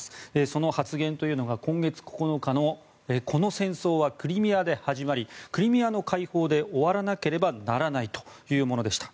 その発言というのが今月９日のこの戦争はクリミアで始まりクリミアの解放で終わらなければならないというものでした。